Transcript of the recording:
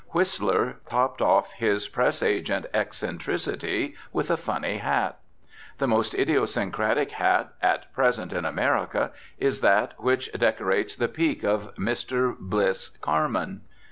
Whistler topped off his press agent eccentricity with a funny hat. The most idiosyncratic hat at present in America is that which decorates the peak of Mr. Bliss Carman.